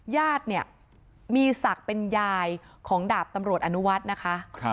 ญาติเนี่ยมีศักดิ์เป็นยายของดาบตำรวจอนุวัฒน์นะคะ